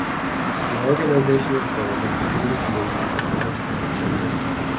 The organizational form of the Humanist Movement is constantly changing.